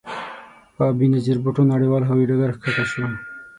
په بې نظیر بوټو نړیوال هوايي ډګر کښته شوو.